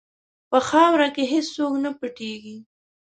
په خاوره کې هېڅ څوک نه پټیږي.